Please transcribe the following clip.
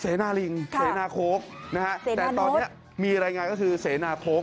เสนาลิงเสนาโค้กนะฮะแต่ตอนนี้มีรายงานก็คือเสนาโค้ก